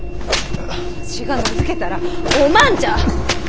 わしが名付けたらお万じゃ！